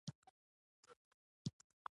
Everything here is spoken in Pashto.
خپله ژبه وټاکئ